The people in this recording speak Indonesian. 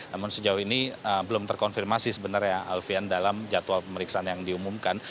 namun sejauh ini belum terkonfirmasi sebenarnya alfian dalam jadwal pemeriksaan yang diumumkan